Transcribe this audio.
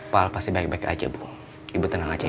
pak al pasti baik baik aja bu ibu tenang aja ya